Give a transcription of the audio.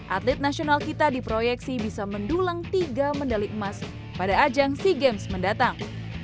atlet nasional kita diproyeksi bisa mendulang tiga medali emas pada ajang sea games mendatang